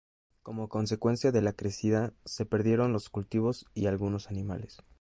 Como consecuencia de la crecida, se perdieron los cultivos y algunos animales.